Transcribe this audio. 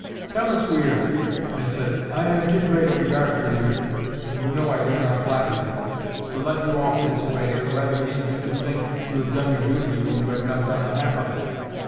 "Thomas Weir," I said, "I have too great a regard for you—and you know I dare not flatter you—to let you off this way, or rather leave you to think you have done your duty when you have not done the half of it.